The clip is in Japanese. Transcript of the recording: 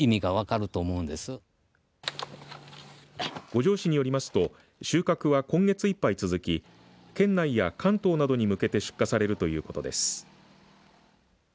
五條市によりますと収穫は、今月いっぱい続き県内や関東などに向けて出荷されるということです。